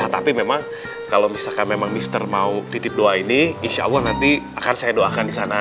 tapi memang kalau misalkan memang mr mau titip doa ini insya allah nanti akan saya doakan di sana